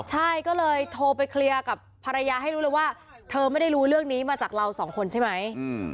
ใช่ก็เลยโทรไปเคลียร์กับภรรยาให้รู้เลยว่าเธอไม่ได้รู้เรื่องนี้มาจากเราสองคนใช่ไหม